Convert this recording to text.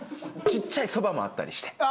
ちっちゃいそばもあったりして。